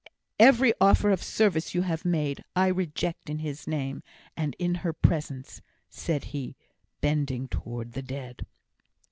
Every offer of service you have made, I reject in his name, and in her presence," said he, bending towards the Dead.